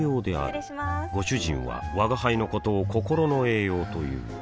失礼しまーすご主人は吾輩のことを心の栄養という